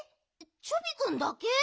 チョビくんだけ？